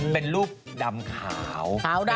เป็นรูปดำขาว